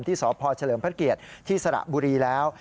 ที่สพเฉลิมพระเกียรติที่สระบุรีแล้ว